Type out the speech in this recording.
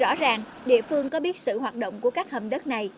rõ ràng địa phương có biết sự hoạt động của các hầm đất này